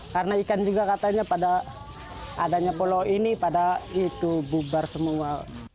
karena ikan juga katanya pada adanya pulau ini pada itu bubar semua